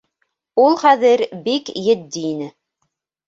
Ул хәҙер бик етди ине.